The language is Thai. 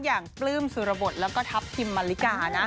อย่างปลื้มสุรบทคมทับทรีย์เมลิกา